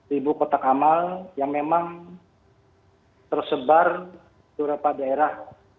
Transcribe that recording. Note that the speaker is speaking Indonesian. ribu kotak amal yang memang tersebar di beberapa daerah